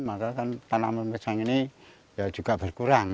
maka kan tanaman pisang ini juga berkurang